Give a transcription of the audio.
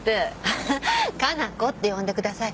加奈子って呼んでください。